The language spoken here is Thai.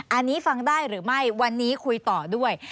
อันนี้ฟังได้หรือไม่วันนี้คุยต่อด้วย